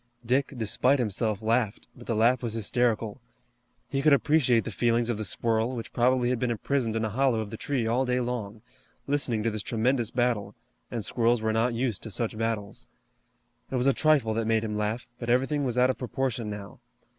Dick, despite himself, laughed, but the laugh was hysterical. He could appreciate the feelings of the squirrel, which probably had been imprisoned in a hollow of the tree all day long, listening to this tremendous battle, and squirrels were not used to such battles. It was a trifle that made him laugh, but everything was out of proportion now.